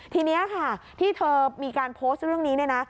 ทีนี้ค่ะที่เธอมีการโพสต์เรื่องนี้เนี่ยนะ